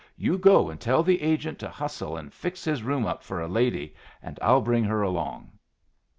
You go and tell the agent to hustle and fix his room up for a lady, and I'll bring her along."